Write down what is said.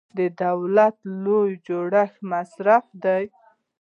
د دولت لوی جوړښت مصرفي دی.